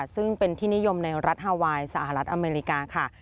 ซึ่งเป็นที่นิยมในรัฐฮาไวน์สหรัฐอเมริกาค่ะ